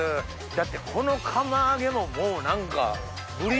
だってこの釜揚げももう何か。